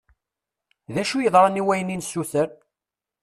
D acu yeḍran i wayen i nessuter?